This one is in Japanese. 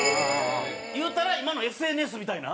言うたら今のＳＮＳみたいな。